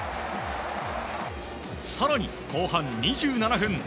更に後半２７分。